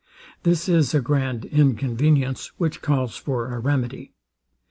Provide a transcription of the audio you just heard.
This is a grand inconvenience, which calls for a remedy.